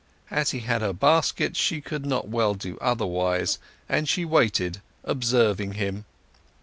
As he had her basket she could not well do otherwise; and she waited, observing him.